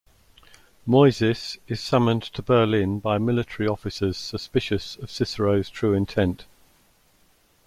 Moyzisch is summoned to Berlin by military officers suspicious of Cicero's true intent.